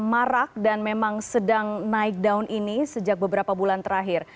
marak dan memang sedang naik daun ini sejak beberapa bulan terakhir